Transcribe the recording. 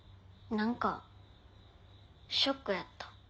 何かショックやった。